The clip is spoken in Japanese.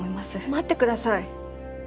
待ってください。